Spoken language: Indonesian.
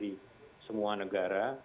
ini juga yang dipakai di semua negara